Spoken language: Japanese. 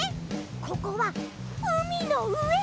ここはうみのうえ。